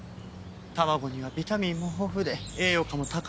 卵にはビタミンも豊富で栄養価も高いですから。